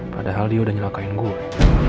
padahal dia udah nyelakain gue